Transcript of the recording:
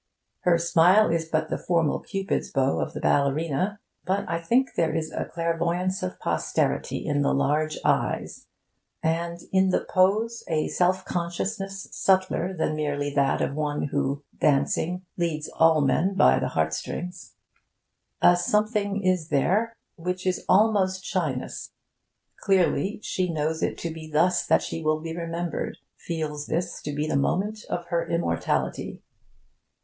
Her smile is but the formal Cupid's bow of the ballerina; but I think there is a clairvoyance of posterity in the large eyes, and, in the pose, a self consciousness subtler than merely that of one who, dancing, leads all men by the heart strings. A something is there which is almost shyness. Clearly, she knows it to be thus that she will be remembered; feels this to be the moment of her immortality.